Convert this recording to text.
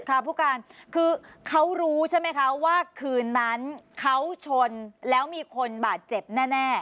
ผู้การคือเขารู้ใช่ไหมคะว่าคืนนั้นเขาชนแล้วมีคนบาดเจ็บแน่